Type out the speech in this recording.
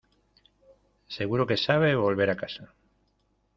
seguro que sabe volver a casa.